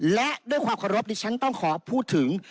และด้วยความขอรบดิฉันต้องขอพูดถึง